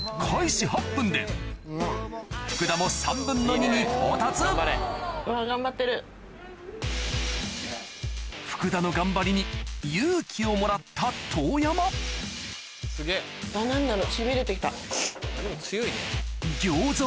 福田もに到達福田の頑張りに勇気をもらった遠山あっ何だろう。